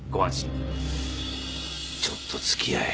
ちょっと付き合え。